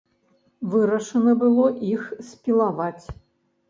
Вырашана было іх спілаваць.